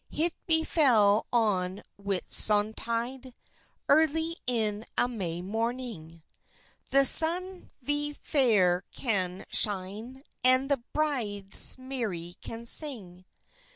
Hit befell on Whitsontide, Erly in a may mornyng, The son vp fayre can shyne, And the briddis mery can syng.